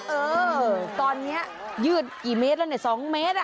เออตอนนี้ยืดกี่เมตรแล้วเนี่ย๒เมตร